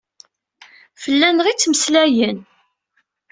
Fell-aneɣ i ad ttmeslayen?